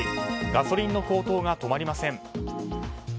ガソリンの高騰が止まりません。